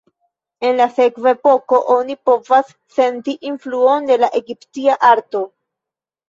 En la sekva epoko, oni povas senti influon de la egipta arto.